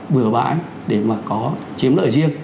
bừa bãi để mà có chiếm lợi riêng